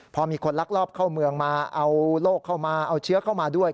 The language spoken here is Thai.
พอมีคนลักลอบเข้าเมืองมาเอาโรคเข้ามาเอาเชื้อเข้ามาด้วย